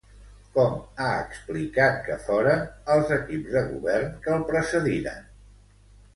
Com ha explicat que foren els equips de govern que el precediren?